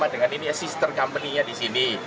dengan ini ya sister company nya di sini